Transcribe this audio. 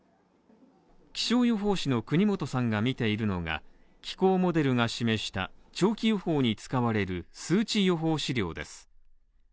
気象予報士の國本さんが見ているのが、気候モデルが示した長期予報に使われる数値予報資料です。